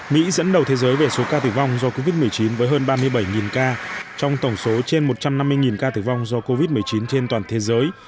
mỹ dẫn đầu thế giới về số ca tử vong do covid một mươi chín với hơn ba mươi bảy ca trong tổng số trên một trăm năm mươi ca tử vong do covid một mươi chín trên toàn thế giới